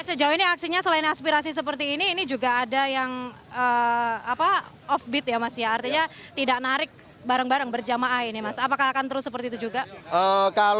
sejauh ini aksinya selain aspirasi seperti ini ini juga ada yang apa of bit ya masih artinya